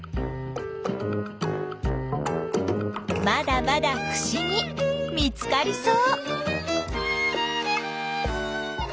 まだまだふしぎ見つかりそう。